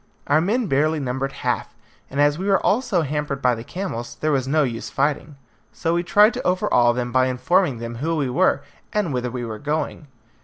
Our men barely numbered half, and as we were also hampered by the camels, there was no use in fighting, so we tried to overawe them by informing them who we were, and whither we were going.